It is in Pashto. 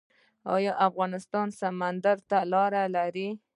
آیا افغانستان سمندر ته لاره لري؟